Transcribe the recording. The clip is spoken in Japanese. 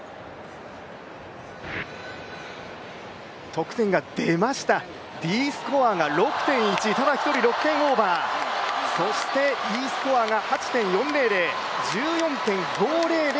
得点が出ました、Ｄスコアが６．１ただ１人６点オーバー、そしてＥスコアが８．４００、１４．５００